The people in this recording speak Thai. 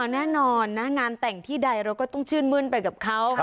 แน่นอนนะงานแต่งที่ใดเราก็ต้องชื่นมื้นไปกับเขา